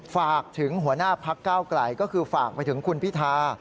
ฝากถึงหัวหน้าพักเก้าไกลก็คือฝากไปถึงคุณพิธา